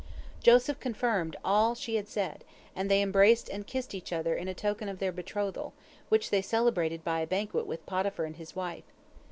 Joseph confirmed all she had said, and they embraced and kissed each other in token of their betrothal, which they celebrated by a banquet with Potiphar and his wife.